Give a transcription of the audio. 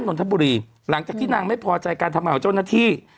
นนทบุรีหลังจากที่นางไม่พอใจการทำเห่าเจ้าหน้าที่